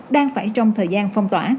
đang phải trong thời gian phong tỏa